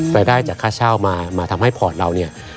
รายได้จากค่าเช่ามาทำให้พอร์ตเราเนี่ย